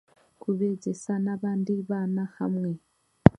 Kubegyesa n'abandi baana hamwe.